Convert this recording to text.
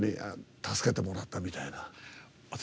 助けてもらったみたいな。